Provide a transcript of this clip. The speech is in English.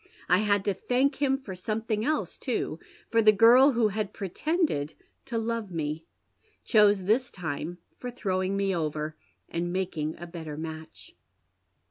I had to thank him for something else too, for the girl who had pretended to love me chose this time for throwing me over, and making a better match."